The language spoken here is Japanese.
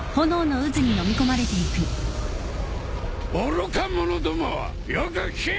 愚か者どもよく聞け！